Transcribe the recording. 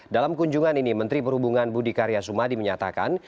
dalam kunjungan ini menteri perhubungan budi karya sumadi menyatakan